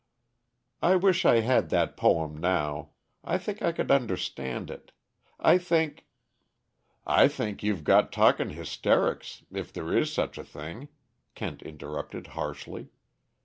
"I wish I had that poem now I think I could understand it. I think " "I think you've got talking hysterics, if there is such a thing," Kent interrupted harshly.